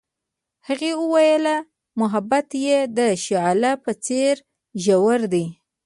هغې وویل محبت یې د شعله په څېر ژور دی.